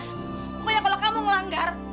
pokoknya kalau kamu ngelanggar